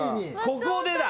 ここでだ。